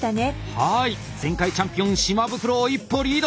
はい前回チャンピオン島袋を一歩リード。